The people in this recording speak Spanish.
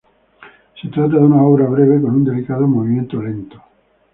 Se trata de una obra breve, con un delicado movimiento lento.